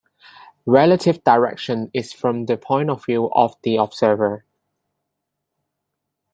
Relative direction is from the point of view of the observer.